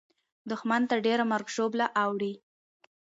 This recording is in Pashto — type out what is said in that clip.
دښمن ته ډېره مرګ او ژوبله اوړي.